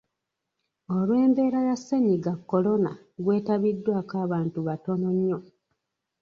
Olw’embeera ya Ssennyiga Kolona, gwetabiddwako abantu batono nnyo.